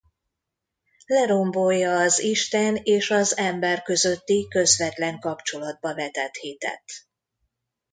Lerombolja az isten és az ember közötti közvetlen kapcsolatba vetett hitet.